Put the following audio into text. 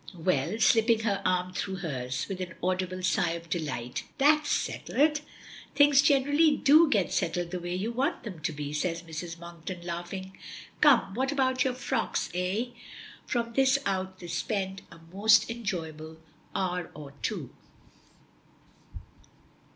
"Well," slipping her arm through hers, with an audible sigh of delight. "That's settled." "Things generally do get settled the way you want them to be," says Mrs. Monkton, laughing. "Come, what about your frocks, eh?" From this out they spend a most enjoyable hour or two.